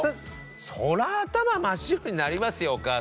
そらあ頭真っ白になりますよお母さん。